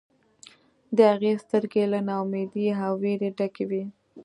د هغې سترګې له نا امیدۍ او ویرې ډکې وې